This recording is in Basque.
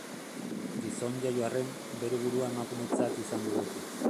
Gizon jaio arren, bere burua emakumetzat izan du beti.